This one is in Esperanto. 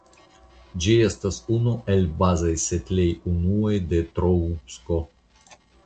Ĝi estas unu el bazaj setlejunuoj de Troubsko.